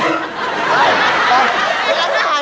ตาย